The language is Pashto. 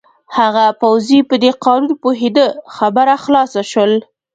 هغه پوځي په دې قانون پوهېده، خبره خلاصه شول.